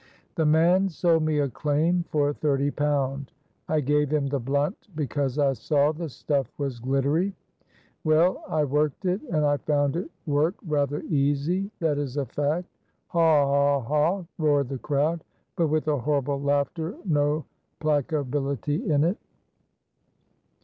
"The man sold me a claim for thirty pound. I gave him the blunt because I saw the stuff was glittery. Well, I worked it, and I found it work rather easy, that is a fact." "Haw! haw! haw!" roared the crowd, but with a horrible laughter, no placability in it.